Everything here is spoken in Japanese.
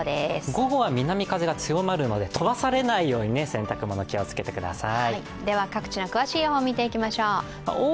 午後は南風が強まるので飛ばされないように洗濯物、気をつけてください。